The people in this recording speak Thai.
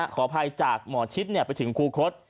ขออภัยจากหมอชิดไปถึงครูคศ